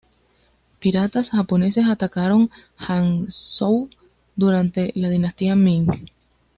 Piratas japoneses atacaron Hangzhou durante la dinastía Ming.